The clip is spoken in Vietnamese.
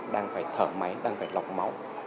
đang phải thở máy đang phải lọc máu